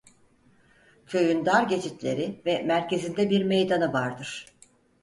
Köyün dar geçitleri ve merkezinde bir meydanı vardır.